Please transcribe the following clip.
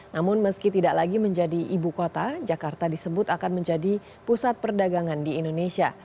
namun meski tidak lagi menjadi ibu kota jakarta disebut akan menjadi pusat perdagangan di indonesia